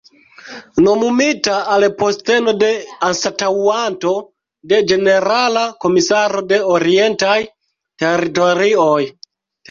Nomumita al posteno de anstataŭanto de ĝenerala komisaro de Orientaj Teritorioj.